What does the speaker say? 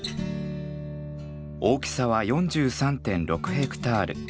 大きさは４３．６ヘクタール。